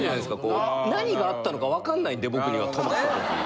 何があったのか分かんないんで僕には止まった時。